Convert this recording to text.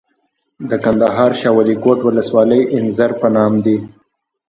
د کندهار شاولیکوټ ولسوالۍ انځر په نام دي.